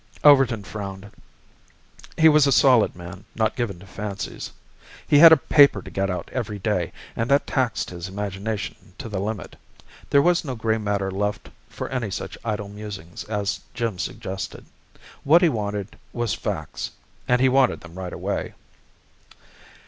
Overton frowned. He was a solid man, not given to fancies. He had a paper to get out every day and that taxed his imagination to the limit. There was no gray matter left for any such idle musings as Jim suggested. What he wanted was facts, and he wanted them right away.